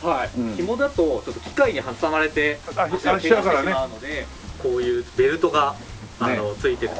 紐だとちょっと機械に挟まれて足をケガしてしまうのでこういうベルトがついている。